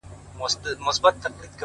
دا عجیب منظرکسي ده، وېره نه لري امامه،